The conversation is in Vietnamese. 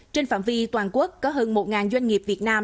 trên phạm vi toàn quốc có hơn một doanh nghiệp việt nam